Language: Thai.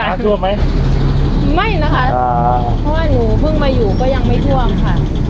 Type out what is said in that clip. น้ำท่วมไหมไม่นะคะเพราะว่าหนูเพิ่งมาอยู่ก็ยังไม่ท่วมค่ะ